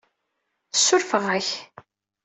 Ssurfeɣ-ak.